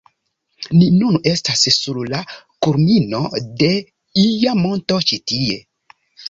Ni nun estas sur la kulmino de ia monto ĉi tie